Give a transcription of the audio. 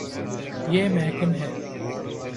یے مہکن ہے